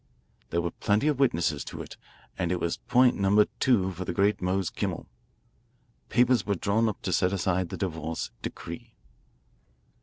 There were plenty of witnesses to it, and it was point number two for the great Mose Kimmel. Papers were drawn up to set aside the divorce decree.